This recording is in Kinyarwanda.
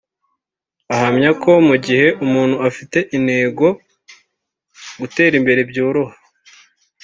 ahamya ko mu gihe umuntu afite intego gutera imbere byoroha